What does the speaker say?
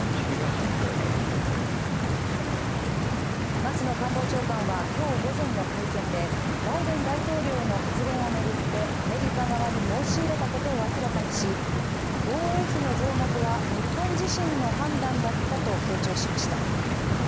松野官房長官は今日午前の会見でバイデン大統領の発言を巡ってアメリカ側に申し入れたことを明らかにし、防衛費の増額は、日本自身の判断だったと強調しました。